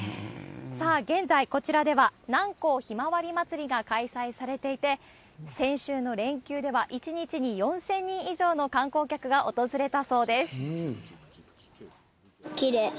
さあ、現在、こちらでは南光ひまわり祭りが開催されていて、先週の連休では１日に４０００人以上の観光客が訪れたそうです。